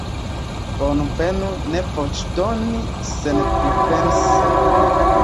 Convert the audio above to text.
Bonvolu ne voĉdoni senpripense.